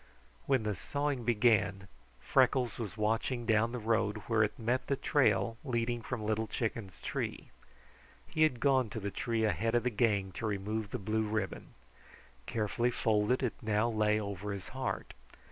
When the sawing began, Freckles was watching down the road where it met the trail leading from Little Chicken's tree. He had gone to the tree ahead of the gang to remove the blue ribbon. Carefully folded, it now lay over his heart.